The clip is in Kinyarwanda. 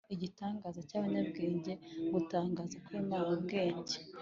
igitangaza cyabanyabwenge, gutangara kwimana ubwenge